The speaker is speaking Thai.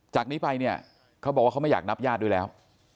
จากนี้ไปเนี่ยเขาบอกว่าเขาไม่อยากนับญาติด้วยแล้ว